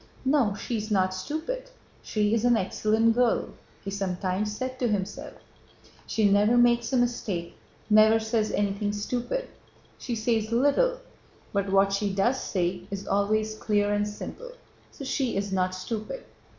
No, she is not stupid, she is an excellent girl," he sometimes said to himself "she never makes a mistake, never says anything stupid. She says little, but what she does say is always clear and simple, so she is not stupid.